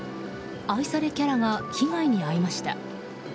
愛されキャラが被害に遭いました。